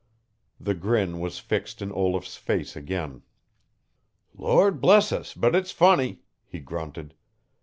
The grin was fixed in Olaf's face again. "Lord bless us, but it's funny," he grunted.